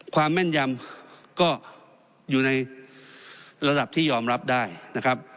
แม่นยำก็อยู่ในระดับที่ยอมรับได้นะครับ